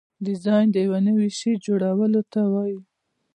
ډیزاین د یو نوي شي جوړولو ته وایي.